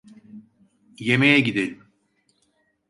Yemeğe gidelim.